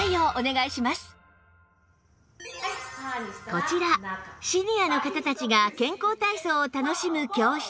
こちらシニアの方たちが健康体操を楽しむ教室